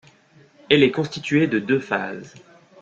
Elle est constituée de deux phases.